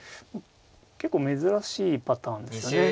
結構珍しいパターンですよね。